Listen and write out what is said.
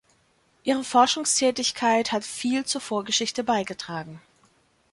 Ihre Forschungstätigkeit hat viel zur Vorgeschichte beigetragen.